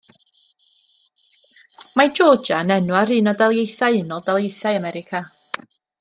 Mae Georgia yn enw ar un o daleithiau Unol Daleithiau America.